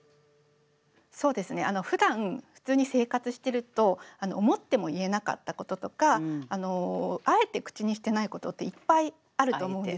そうですねふだん普通に生活してると思っても言えなかったこととかあえて口にしてないことっていっぱいあると思うんですよ。ありますね。